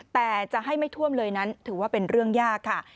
แต่จะให้ไม่ท่วมเลยนั้นถือว่าเป็นเรื่องยากค่ะ